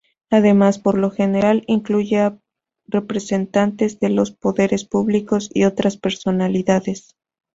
Además, por lo general, incluye a representantes de los poderes públicos y otras personalidades.